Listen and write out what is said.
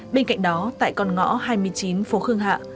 bên cạnh đó tại con ngõ hai mươi chín phố khương hạ